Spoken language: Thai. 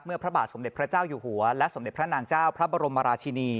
พระบาทสมเด็จพระเจ้าอยู่หัวและสมเด็จพระนางเจ้าพระบรมราชินี